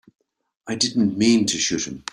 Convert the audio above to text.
I didn't mean to shoot him.